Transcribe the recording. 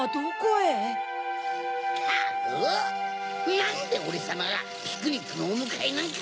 なんでオレさまがピクニックのおむかえなんか。